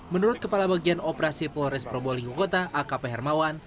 menurut kepala bagian operasi polres probolinggo kota akp hermawan